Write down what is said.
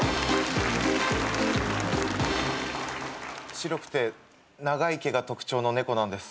白くて長い毛が特徴の猫なんです。